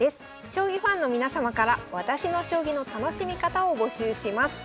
将棋ファンの皆様から「私の将棋の楽しみ方」を募集します。